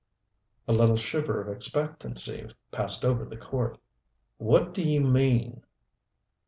A little shiver of expectancy passed over the court. "What do you mean?"